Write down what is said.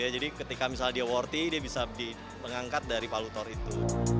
jadi ketika misalnya dia worthy dia bisa diangkat dari palutor itu